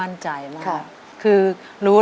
สงสารเสรี